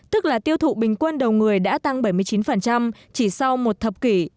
tức là tiêu thụ bình quân đầu người đã tăng bảy mươi chín chỉ sau một thập kỷ